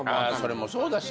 それもそうだし。